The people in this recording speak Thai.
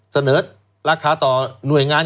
เสนอราคาต่อหน่วยงาน